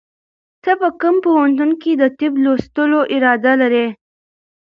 ته په کوم پوهنتون کې د طب د لوستلو اراده لرې؟